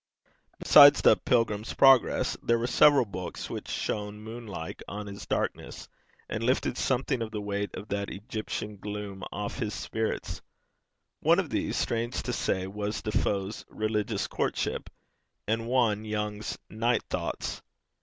Besides The Pilgrim's Progress there were several books which shone moon like on his darkness, and lifted something of the weight of that Egyptian gloom off his spirit. One of these, strange to say, was Defoe's Religious Courtship, and one, Young's Night Thoughts.